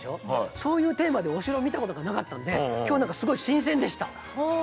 そういうテーマでお城を見たことがなかったんで今日なんかすごい新鮮でした。